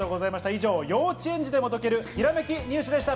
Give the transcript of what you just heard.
以上、幼稚園児でも解ける、ひらめき入試でした。